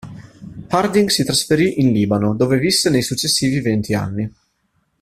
Harding si trasferì in Libano, dove visse nei successivi venti anni.